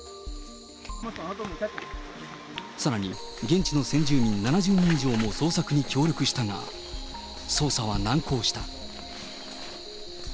さらに、現地の先住民７０人以上も捜索に協力したが、捜査は難航した。